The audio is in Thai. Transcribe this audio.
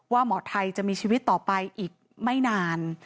หมอไทยจะมีชีวิตต่อไปอีกไม่นาน